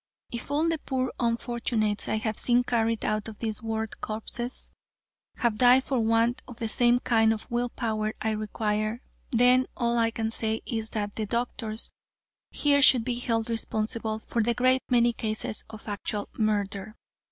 If all the poor unfortunates I have seen carried out of this ward, corpses, have died for want of the same kind of will power I require, then all I can say is that the doctors here should be held responsible for a great many cases of actual murder."